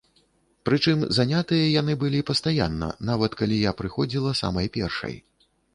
Прычым занятыя яны былі пастаянна, нават калі я прыходзіла самай першай.